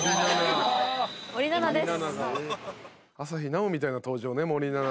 森七菜です。